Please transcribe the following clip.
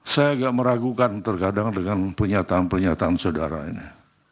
saya agak meragukan terkadang dengan pernyataan pernyataan saudara ini